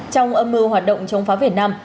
trong âm mưu hoạt động chống phá việt nam